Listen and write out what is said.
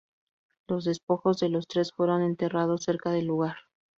Los despojos de los tres fueron enterrados cerca del lugar.